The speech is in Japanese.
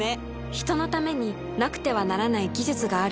人のためになくてはならない技術がある。